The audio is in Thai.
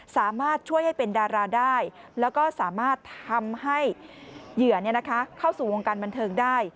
สามารถช่วยให้เป็นดาราได้แล้วก็สามารถทำให้เหยื่อเข้าสู่วงการบันเทิงได้